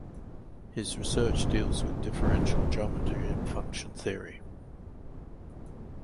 His research deals with differential geometry and function theory.